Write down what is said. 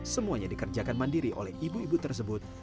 semuanya dikerjakan mandiri oleh ibu ibu tersebut